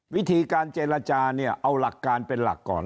วิธีการเจรจาเนี่ยเอาหลักการเป็นหลักก่อน